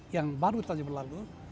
yang baru saja berlalu